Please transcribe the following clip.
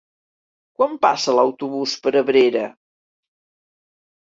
Quan passa l'autobús per Abrera?